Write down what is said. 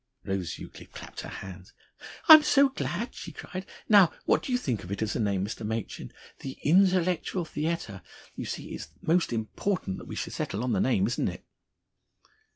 Rose Euclid clapped her hands. "I'm so glad!" she cried. "Now what do you think of it as a name, Mr. Machin, 'The Intellectual Theatre?' You see it's most important we should settle on the name, isn't it?"